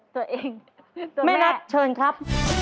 ตัวเองตัวแม่แม่นัทเชิญครับ